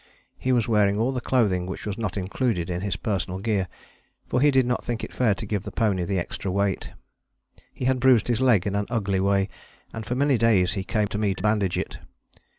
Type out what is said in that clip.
He was wearing all the clothing which was not included in his personal gear, for he did not think it fair to give the pony the extra weight. He had bruised his leg in an ugly way, and for many days he came to me to bandage it.